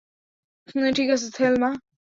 ঠিক আছে, থেলমা।